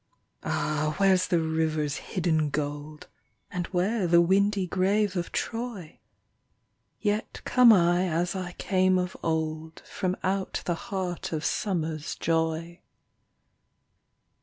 Ah, where's the river's hidden Gold! And where the windy grave of Troy? Yet come I as I came of old, From out the heart of Summer's joy.